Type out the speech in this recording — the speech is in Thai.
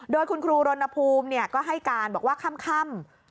โดยคุณครูรณภูมิก็ให้การบอกว่าค่ำ